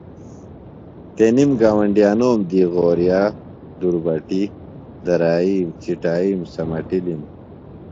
تنِم گاونڈیانوم دی غورِیہ، دُربٹیۡ درائِیم، چٹائِیم سمٹِلم۔